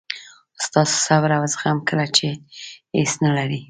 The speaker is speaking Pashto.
ستاسو صبر او زغم کله چې هیڅ نه لرئ.